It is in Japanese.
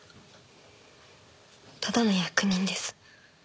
ただの役人です。